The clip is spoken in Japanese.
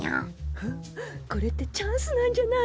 フッこれってチャンスなんじゃない？